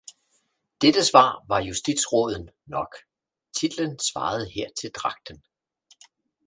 Dette svar var justitsråden nok, titlen svarede her til dragten